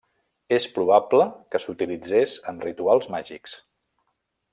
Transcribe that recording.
És probable que s'utilitzés en rituals màgics.